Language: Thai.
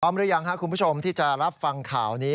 พร้อมหรือยังคุณผู้ชมที่จะรับฟังข่าวนี้